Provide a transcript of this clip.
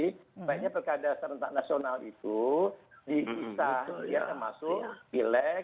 sebaiknya perikadanya serentak nasional itu diisah ya termasuk pileg